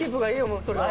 もうそれは。